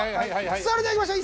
それではいきましょう。